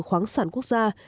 khoáng sản quốc gia